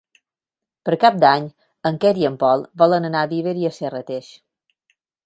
Per Cap d'Any en Quer i en Pol volen anar a Viver i Serrateix.